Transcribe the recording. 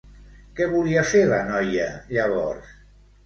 Què volia fer la noia, llavors?